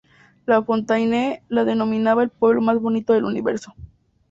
La Fontaine la denominaba el pueblo más bonito del universo.